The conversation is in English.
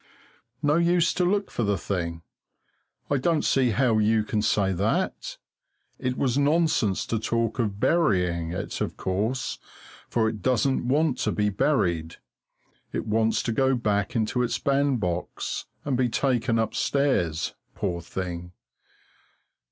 No use to look for the thing? I don't see how you can say that. It was nonsense to talk of burying it, of course, for it doesn't want to be buried; it wants to go back into its bandbox and be taken upstairs, poor thing!